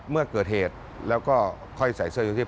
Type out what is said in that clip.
เมื่อเกิดเหตุแล้วก็ค่อยใส่เสื้อยืด